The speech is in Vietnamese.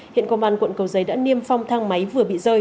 hiện công an quận cầu giấy đã niêm phong thang máy vừa bị rơi